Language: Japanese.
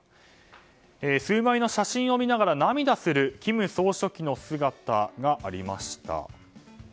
数枚の写真を見ながら涙する金総書記の姿がありました。